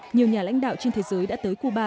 nhiều nhà lãnh đạo trên thế giới đã tới cuba